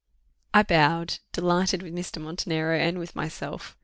(I bowed, delighted with Mr. Montenero and with myself.)